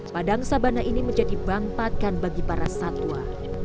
padang sabana ini menjadi bangpadan bagi para satwa